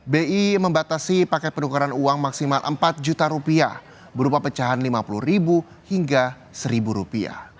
bi membatasi paket penukaran uang maksimal rp empat juta rupiah berupa pecahan rp lima puluh hingga rp satu